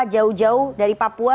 jauh jauh dari papua